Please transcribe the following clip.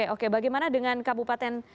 oke bagaimana dengan kabupaten